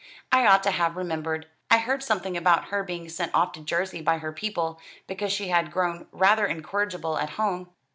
I ought to have remembered. I heard something about her being sent off to Jersey by her people, because she had grown rather incorrigible at home."